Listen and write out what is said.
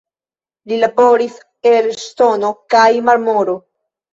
Li laboris el ŝtono kaj marmoro.